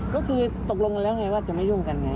ก็คือตกลงกันแล้วไงว่าจะไม่ยุ่งกันไง